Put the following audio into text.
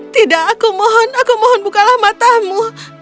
tidak aku mohon aku mohon bukalah matamu